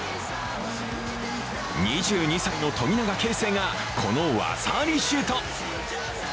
２２歳の富永啓生がこの技ありシュート。